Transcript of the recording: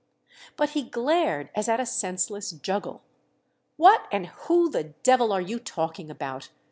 But he glared as at a senseless juggle. "What and who the devil are you talking about?